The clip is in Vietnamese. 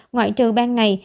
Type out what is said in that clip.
ngoại trừ bang này